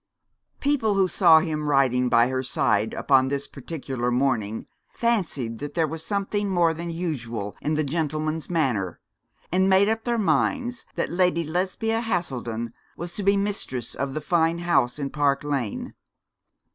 People who saw him riding by her side upon this particular morning fancied there was something more than usual in the gentleman's manner, and made up their minds that Lady Lesbia Haselden was to be mistress of the fine house in Park Lane.